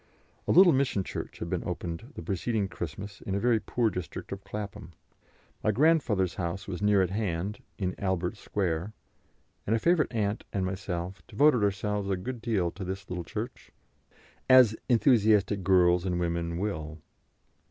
A little mission church had been opened the preceding Christmas in a very poor district of Clapham. My grandfather's house was near at hand, in Albert Square, and a favourite aunt and myself devoted ourselves a good deal to this little church, as enthusiastic girls and women will.